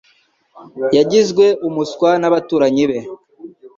Yagizwe umuswa nabaturanyi be.